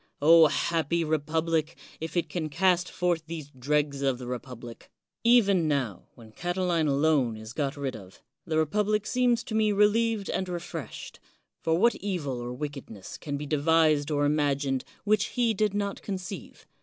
happy republic, if it can cast forth these dregs of the republic ! Even now, when Catiline alone is got rid of, the republic seems to me relieved and refreshed; for what evil or wickedness can be devised or imagined which he did not conceive?